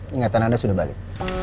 ingatan anda sudah balik